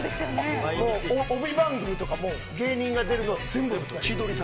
帯番組とかも芸人が出るのは全部。